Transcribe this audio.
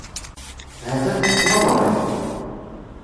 Ha-t-an tettwaḍreg.